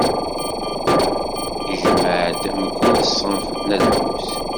Ijemmeɛ-d mkul ṣṣenf n lḥut.